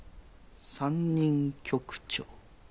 ３人局長。